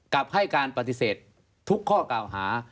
กับให้การปฏิเสธทุกข้อกล่าวหา